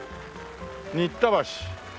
新田橋。